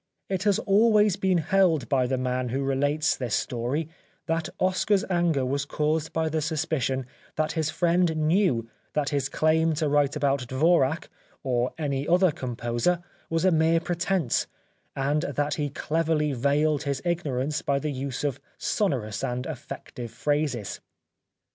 It has always been held by the man who relates this story that Oscar's anger was caused by the suspicion that his friend knew that his claim to write about Dvorak or any other com poser was a mere pretence, and that he cleverly veiled his ignorance by the use of sonorous and effective phrases.